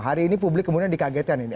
hari ini publik kemudian dikagetkan ini